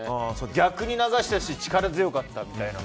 逆に流してたし力強かったみたいな。